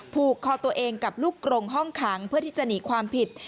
ผูกคอตัวเองกับลูกกรงห้องขังเพื่อที่จะหนีความผิด